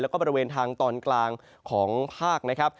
แล้วก็บริเวณทางตอนกลางของภาคนะครับ